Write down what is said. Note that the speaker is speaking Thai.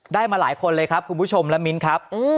มาหลายคนเลยครับคุณผู้ชมและมิ้นครับ